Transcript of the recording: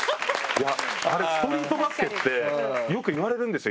ストリートバスケってよく言われるんですよ